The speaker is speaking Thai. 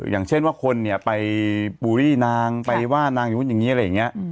อย่างเช่นว่าคนเนี่ยไปบูรีนางไปว่านางอย่างเงี้ยอะไรอย่างเงี้ย